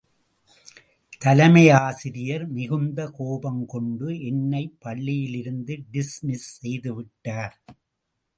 தலைமையாசிரியர் மிகுந்த கோபம் கொண்டு என்னை பள்ளியிலிருந்து டிஸ்மிஸ் செய்து விட்டார்.